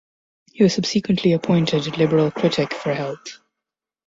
He was subsequently appointed Liberal critic for Health.